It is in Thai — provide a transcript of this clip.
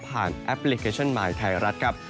แอปพลิเคชันมายไทยรัฐครับ